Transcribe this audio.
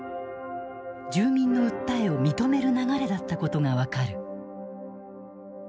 住民の訴えを認める流れだったことが分かる。